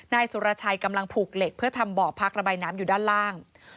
นายสุรชัยกำลังผูกเหล็กเพื่อทำบ่อพักระบายน้ำอยู่ด้านล่าง